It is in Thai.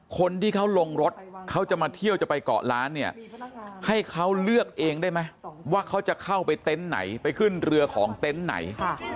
คนที่เขาลงรถเขาจะมาเที่ยวจะไปเกาะล้านเนี่ยให้เขาเลือกเองได้ไหมว่าเขาจะเข้าไปเต็นต์ไหนไปขึ้นเรือของเต็นต์ไหน